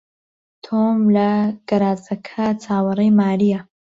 تۆم لە گەراجەکە چاوەڕێی مارییە.